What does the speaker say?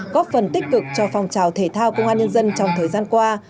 góp phần tích cực cho phong trào thể thao công an nhân dân trong thời gian qua